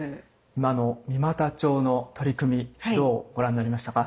今の三股町の取り組みどうご覧になりましたか？